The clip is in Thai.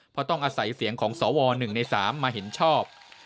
เพราะต้องอาศัยเสียงของสว๑ใน๓มาเห็นชอบ